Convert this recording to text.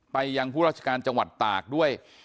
ยังผู้ราชการจังหวัดตากด้วย